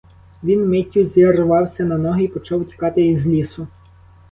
Він миттю зірвався на ноги й почав утікати із лісу.